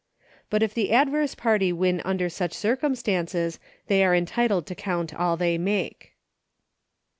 But if the adverse party win under such circumstances they are entitled to count all they make.